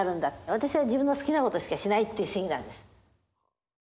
私は自分の好きなことしかしないっていう主義なんです。